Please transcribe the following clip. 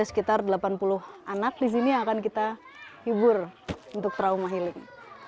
sekitar delapan puluh anak di sini akan kita hibur untuk trauma healing